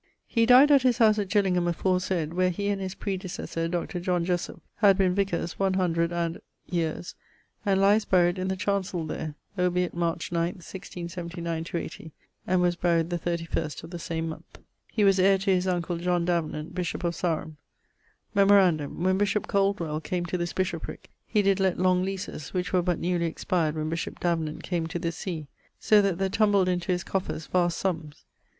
He dyed at his house at Gillingham aforesaid, where he and his predecessor, Dr. Jessop, had been vicars one hundred and ... yeares, and lyes buryed in the chancell there. Obiit March 9th, 1679/80, and was buried the 31 of the same month. He was heire to his uncle, John Davenant, bishop of Sarum. Memorandum: when bishop Coldwell[DK] came to this bishoprick, he did lett long leases, which were but newly expired when bishop Davenant came to this sea; so that there tumbled into his coffers vast summes.